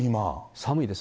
寒いです。